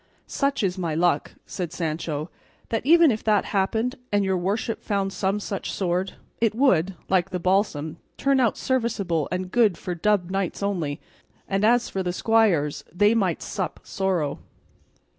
"Such is my luck," said Sancho, "that even if that happened and your worship found some such sword, it would, like the balsam, turn out serviceable and good for dubbed knights only, and as for the squires, they might sup sorrow."